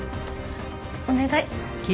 お願い！